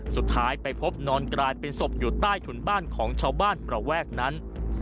สุดท้ายไปพบนอนกลายเป็นศพอยู่ใต้ถุนบ้านของชาวบ้านระแวกนั้น